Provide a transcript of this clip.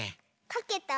かけた？